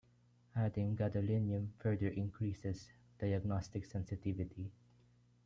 Adding gadolinium further increases diagnostic sensitivity.